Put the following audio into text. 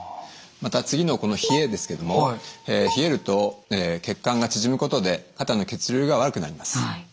また次のこの「冷え」ですけれども冷えると血管が縮むことで肩の血流が悪くなります。